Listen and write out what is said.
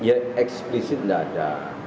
ya eksplisit nggak ada